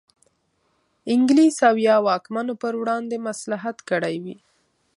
انګلیس او یا واکمنو پر وړاندې مصلحت کړی وي.